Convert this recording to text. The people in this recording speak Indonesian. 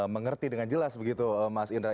mengerti dengan jelas begitu mas indra